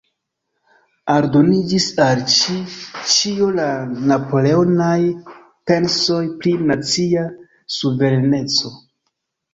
Aldoniĝis al ĉi-ĉio la napoleonaj pensoj pri nacia suvereneco.